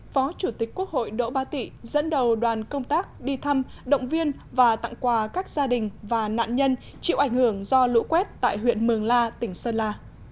phó chủ tịch quốc hội đỗ ba tị dẫn đầu đoàn công tác đi thăm động viên và tặng quà các gia đình và nạn nhân chịu ảnh hưởng do lũ quét tại huyện mường la tỉnh sơn la